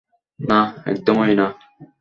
না, একদমই না।